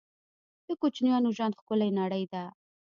د کوچنیانو ژوند ښکلې نړۍ ده